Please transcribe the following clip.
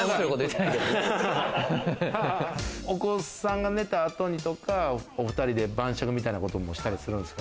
お子さんが寝た後にとか、お２人で晩酌みたいなこともしたりするんですか？